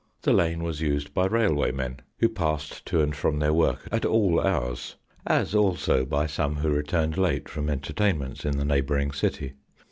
The lane was used by railway men, who passed to and from their work at all hours, as also by some who returned late from entertain ments in the neighbouring city.